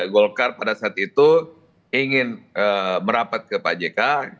golkar pada saat itu ingin merapat ke pak jk